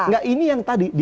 nggak ini yang tadi